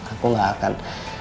aku gak akan